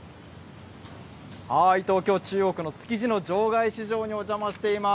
東京・中央区の築地の場外市場にお邪魔しています。